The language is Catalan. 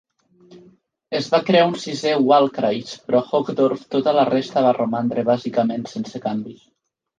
Es va crear un sisè Wahlkreis, però a Hochdorf tota la resta va romandre bàsicament sense canvis.